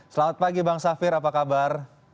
selamat pagi bang safir apa kabar